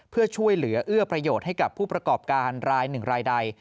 เพื่อช่วยเหลือเอื้อประโยชน์ให้กับผู้ประกอบการรายหนึ่งรายใด